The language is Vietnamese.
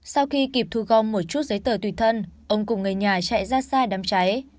sau khi kịp thu gom một chút giấy tờ tùy thân ông cùng người nhà chạy ra xa đám cháy